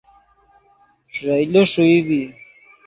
ݰئیلے ݰوئی ڤی